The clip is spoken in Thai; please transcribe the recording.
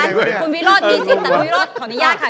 คุณวิรอชดีสิทธิ์แต่วิรอชขออนุญาตค่ะ